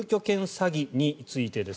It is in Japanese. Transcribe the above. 詐欺についてです。